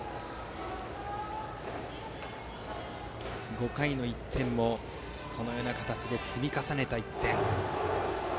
５回の１点もそのような形で積み重ねた１点。